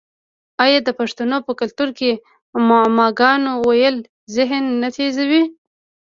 آیا د پښتنو په کلتور کې د معما ګانو ویل ذهن نه تیزوي؟